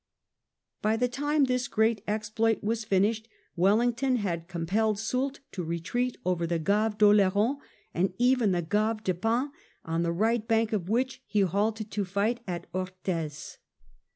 By the time this great exploit was finished, Wellington had compelled Soult to retreat over the Gave d'Oleron.and even the Grave de Pau, on the right bank of which he halted to fight at Orthez.